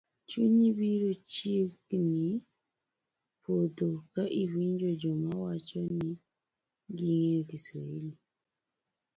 Chunyi biro chiegni podho ka iwinjo joma wacho ni gi ng'eyo Kiswahili